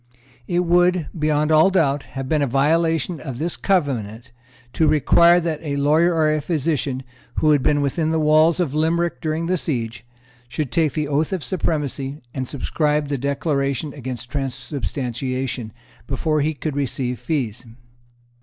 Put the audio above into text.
It would, beyond all doubt, have been a violation of this covenant to require that a lawyer or a physician, who had been within the walls of Limerick during the siege, should take the Oath of Supremacy and subscribe the Declaration against Transubstantiation, before he could receive fees.